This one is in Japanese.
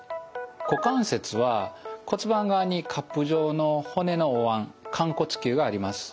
股関節は骨盤側にカップ状の骨のおわん寛骨臼があります。